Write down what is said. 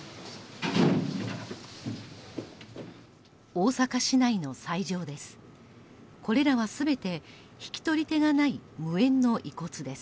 大阪市内の斎場です。